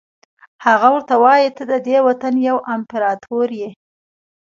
هغه ورته وایي ته ددې وطن یو امپراتور یې.